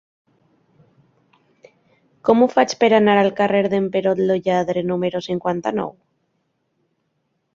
Com ho faig per anar al carrer d'en Perot lo Lladre número cinquanta-nou?